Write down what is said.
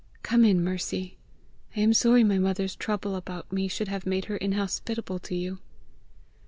Come in, Mercy. I am sorry my mother's trouble about me should have made her inhospitable to you!"